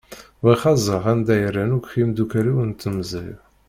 Bɣiɣ ad ẓṛeɣ anda i rran akk yemdukal-iw n temẓi.